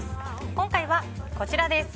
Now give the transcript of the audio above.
今回はこちらです。